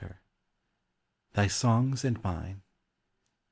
THY SONGS AND MINE.